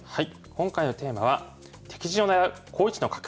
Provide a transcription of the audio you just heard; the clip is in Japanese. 今回のテーマは「敵陣を狙う好位置の角」。